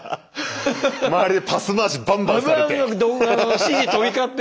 周りでパス回しバンバンされて。